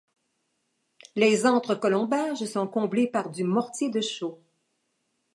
Les entre colombages sont comblés par du mortier de chaux.